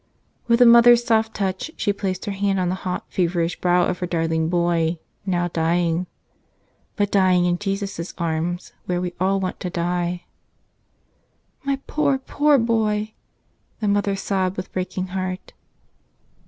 With a mother's soft touch she placed her hand on the hot feverish brow of her dar¬ ling boy, now dying — but dying in Jesus' arms, where we all want to die. "My poor, poor boy !" the mother sobbed with breaking heart.